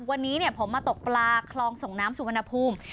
วันนี้ผมมาตกปลาคลองส่งน้ำสุวรรณภูมิ